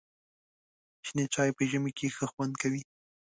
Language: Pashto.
شنې چای په ژمي کې ښه خوند کوي.